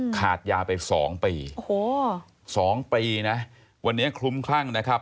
ขาดยาไปสองปีโอ้โหสองปีนะวันนี้คลุ้มคลั่งนะครับ